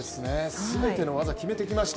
すべての技決めてきました。